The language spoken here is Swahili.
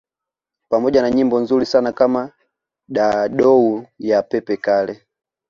Pamoja na nyimbo nzuri sana kama Dadou ya Pepe Kalle